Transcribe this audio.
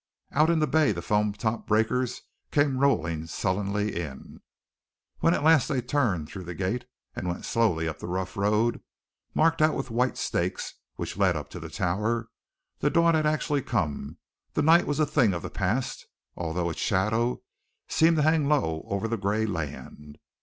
Out in the bay the foam topped breakers came rolling sullenly in. When at last they turned through the gate, and went slowly up the rough road marked out with white stakes which led up to the tower, the dawn had actually come, the night was a thing of the past, although its shadow seemed to hang low over the gray land.